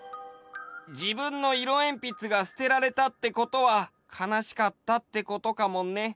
じぶんのいろえんぴつがすてられたってことはかなしかったってことかもね。